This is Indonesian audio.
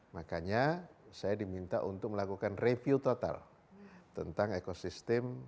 makanya saya diminta untuk melakukan review total tentang ekosistem